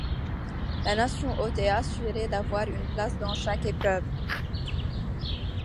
La nation hôte est assurée d'avoir une place dans chaque épreuve.